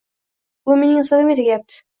Bu mening asabimga tegayapti.